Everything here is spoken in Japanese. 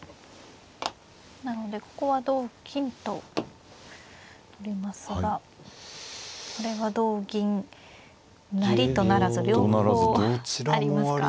なのでここは同金と取りますがこれは同銀成と不成両方ありますか。